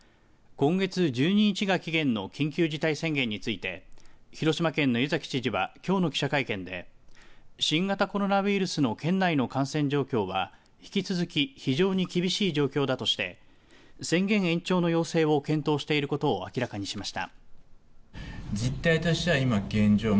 今月１２日が期限の緊急事態宣言について広島県の湯崎知事はきょうの記者会見で新型コロナウイルスの県内の感染状況は引き続き非常に厳しい状況だとして宣言延長の要請を検討していることを明らかにしました。